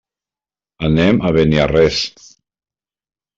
Anem a Beniarrés.